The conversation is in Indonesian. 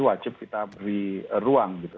wajib kita beri ruang gitu